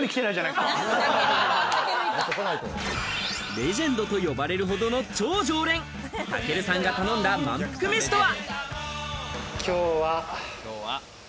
レジェンドと呼ばれるほどの超常連・尊琉さんが頼んだ、まんぷく飯とは？